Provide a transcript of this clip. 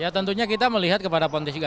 ya tentunya kita melihat kepada pontisipa